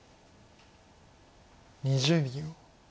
２０秒。